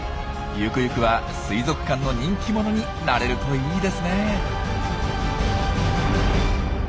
ゆくゆくは水族館の人気者になれるといいですね。